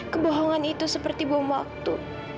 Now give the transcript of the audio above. kebohongan itu seperti bom waktu